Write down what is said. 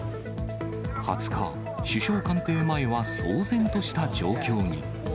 ２０日、首相官邸前は騒然とした状況に。